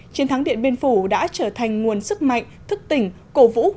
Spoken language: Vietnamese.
chiến thắng điện biên phủ đã trở thành nguồn sức mạnh thức tỉnh cổ vũ